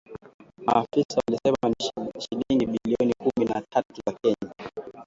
Maafisa walisema ni shilingi bilioni kumi na tatu za Kenya